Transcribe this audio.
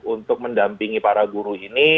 untuk mendampingi para guru ini